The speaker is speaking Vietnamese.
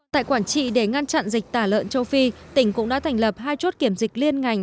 tại quản trị để ngăn chặn dịch tả lợn châu phi tỉnh cũng đã thành lập hai chốt kiểm dịch liên ngành